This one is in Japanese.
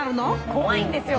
怖いんですよ